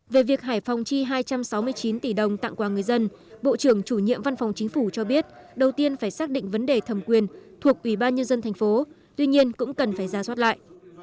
về việc hải phòng chi hai trăm sáu mươi chín tỷ đồng tặng quà người dân bộ trưởng chủ nhiệm văn phòng chính phủ cho biết đầu tiên phải xác định vấn đề thẩm quyền thuộc ủy ban nhân dân thành phố tuy nhiên cũng cần phải ra soát lại